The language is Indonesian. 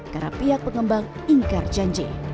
karena pihak pengembang ingkar janji